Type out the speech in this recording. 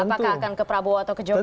apakah akan ke prabowo atau ke jokowi